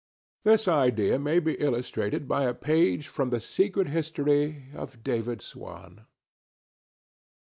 This idea may be illustrated by a page from the secret history of David Swan.